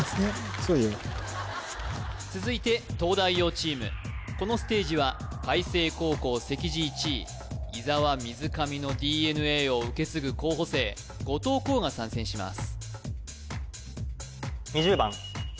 そうよ続いて東大王チームこのステージは開成高校席次１位伊沢水上のＤＮＡを受け継ぐ候補生後藤弘が参戦します